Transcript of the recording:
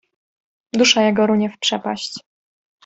Dusza jego runie w przepaść!